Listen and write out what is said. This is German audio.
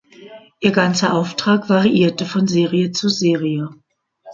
Ihr ganzer Auftrag variierte von Serie zu Serie.